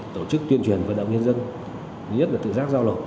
tổ chức tuyên truyền vận động nhân dân nhất là tự giác giao nộp